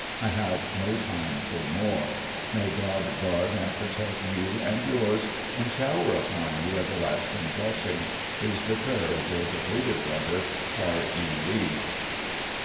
I have no time for more. May God guard and protect you and yours, and shower upon you everlasting blessings, is the prayer of your devoted brother, R. E. Lee."